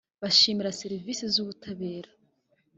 Bashima serivisi z’ ubutabera